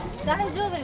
大丈夫！